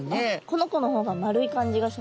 この子の方が丸い感じがします。